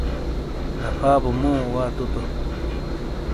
دفا بو مو واتو تو۔